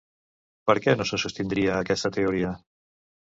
Per què no se sostindria aquesta teoria?